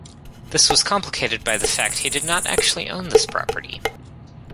This was complicated by the fact he did not actually own this property.